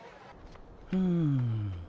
うん。